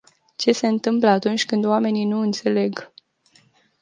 Ce se întâmplă atunci când oamenii nu înțeleg?